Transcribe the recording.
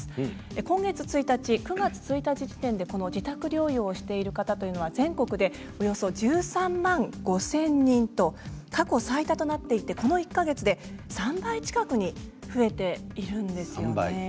今月１日、９月１日時点で自宅療養をしている方は全国でおよそ１３万５０００人と過去最多となっていてこの１か月で３倍近くに増えているんですよね。